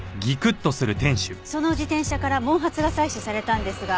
その自転車から毛髪が採取されたんですが。